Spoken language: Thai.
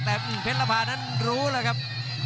แต่เพชรภานั้นรู้แล้วครับ